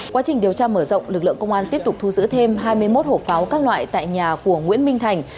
quá trình điều tra mở rộng lực lượng công an tiếp tục thu giữ thêm hai mươi một hộp pháo các loại tại nhà của nguyễn minh thành